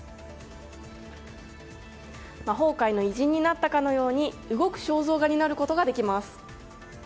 魔法界の偉人になったかのように動く肖像画になることができます。